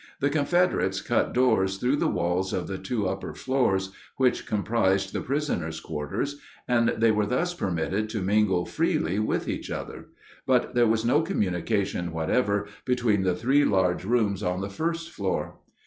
The Confederates cut doors through the walls of the two upper floors, which comprised the prisoners' quarters, and they were thus permitted to mingle freely with each other; but there was no communication whatever between the three large rooms on the first floor.